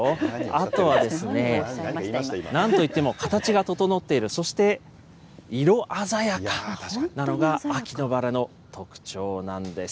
あとは、なんといっても形が整っている、そして色鮮やかなのが秋のバラの特徴なんです。